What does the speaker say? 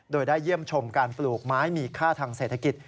โดยได้เยี่ยมชมการปลูกไม้มีค่าทางเศรษฐกิจ